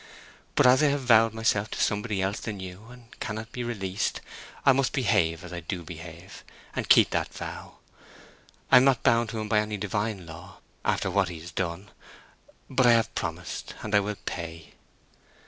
But as I have vowed myself to somebody else than you, and cannot be released, I must behave as I do behave, and keep that vow. I am not bound to him by any divine law, after what he has done; but I have promised, and I will pay."